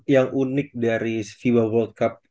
yang unik dari fiba world cup